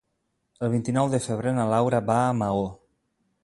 El vint-i-nou de febrer na Laura va a Maó.